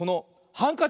ハンカチ。